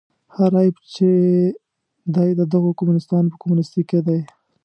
هر عیب چې دی د دغو کمونیستانو په کمونیستي کې دی.